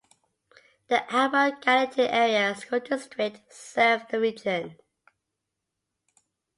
The Albert Gallatin Area School District serves the region.